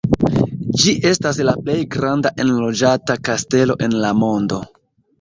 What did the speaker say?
Ĝi estas la plej granda enloĝata kastelo en la mondo.